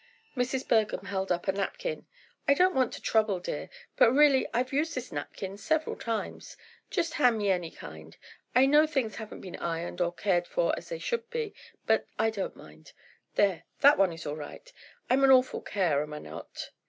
Mrs. Bergham held up a napkin. "I don't want to trouble, dear, but really I've used this napkin several times. Just hand me any kind; I know things haven't been ironed or cared for as they should be, but I don't mind. There, that one is all right. I'm an awful care; am I not?"